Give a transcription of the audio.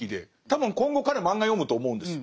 多分今後彼は漫画読むと思うんです。